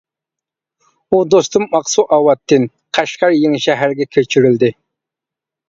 ئۇ دوستۇم ئاقسۇ ئاۋاتتىن قەشقەر يېڭىشەھەرگە كۆچۈرۈلدى.